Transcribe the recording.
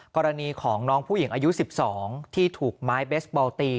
กรณีของน้องผู้หญิงอายุ๑๒ที่ถูกไม้เบสบอลตี